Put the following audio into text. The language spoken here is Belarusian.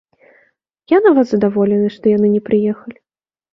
Я нават задаволены, што яны не прыехалі.